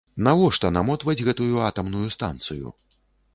Навошта намотваць гэтую атамную станцыю?!